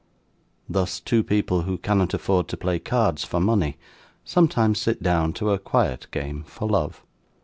Thus two people who cannot afford to play cards for money, sometimes sit down to a quiet game for love.